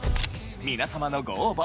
皆様のご応募